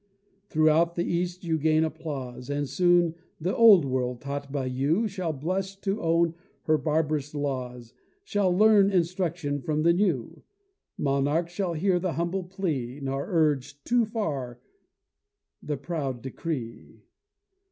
Throughout the east you gain applause, And soon the Old World, taught by you, Shall blush to own her barbarous laws, Shall learn instruction from the New. Monarchs shall hear the humble plea, Nor urge too far the proud decree.